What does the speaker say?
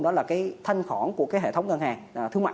đó là cái thanh khỏng của cái hệ thống ngân hàng